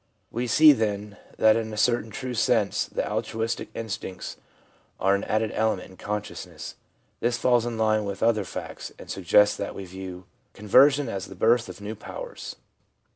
We see, then, that in a certain true sense the altruistic instincts are an added element in consciousness. This falls in line with other facts, and suggests that we view Conversion as the Birth of New Powers.